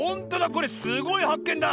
これすごいはっけんだ！